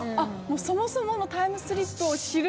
そもそものタイムスリップを知る？